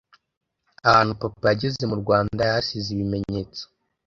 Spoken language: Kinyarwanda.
Ahantu Papa yageze mu Rwanda yahasize ibimenyetso